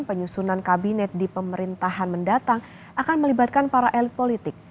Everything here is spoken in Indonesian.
penyusunan kabinet di pemerintahan mendatang akan melibatkan para elit politik